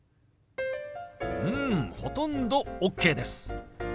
うんほとんどＯＫです。